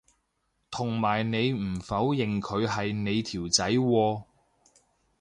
同埋你唔否認佢係你條仔喎